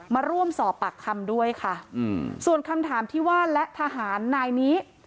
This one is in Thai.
มาร่วมสอบปากคำด้วยค่ะอืมส่วนคำถามที่ว่าและทหารนายนี้